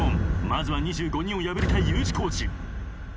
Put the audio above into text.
まずは２５人を破りたいＵ字工事。